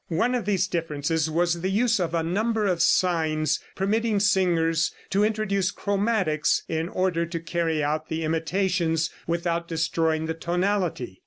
One of these differences was the use of a number of signs permitting singers to introduce chromatics in order to carry out the imitations without destroying the tonality.